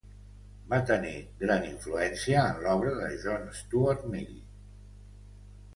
Va tenir gran influència en l'obra de John Stuart Mill.